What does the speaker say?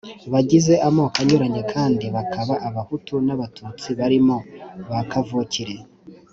bagize amoko anyuranye kandi bakaba Abahutu n'Abatutsi barimo bakavukire.